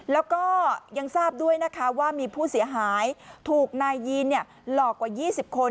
แล้วก็ยังทราบด้วยนะคะว่ามีผู้เสียหายถูกนายยีนหลอกกว่า๒๐คน